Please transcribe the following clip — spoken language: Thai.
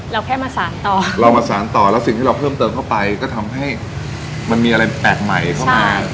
เราแค่มาสารต่อเรามาสารต่อแล้วสิ่งที่เราเพิ่มเติมเข้าไปก็ทำให้มันมีอะไรแปลกใหม่เข้ามา